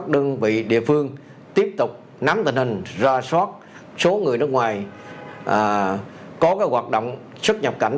đơn vị địa phương tiếp tục nắm tình hình ra soát số người nước ngoài có hoạt động xuất nhập cảnh